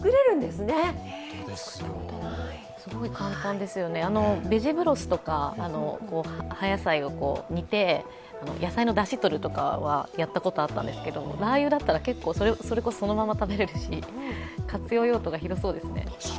すごい簡単ですよね、ベジブロスとか、葉野菜を似て野菜のだしをとるとかは、やったことあるんですけれどもラー油だったら結構それこそそのまま食べれるし、活用用途が広そうですね。